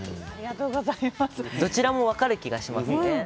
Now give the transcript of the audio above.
どちらも分かる気がしますね。